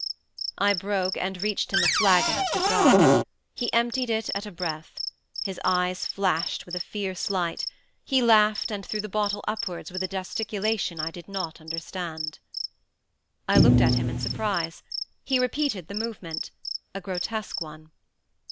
I broke and reached him a flagon of De Grâve. He emptied it at a breath. His eyes flashed with a fierce light. He laughed and threw the bottle upwards with a gesticulation I did not understand. I looked at him in surprise. He repeated the movement—a grotesque one.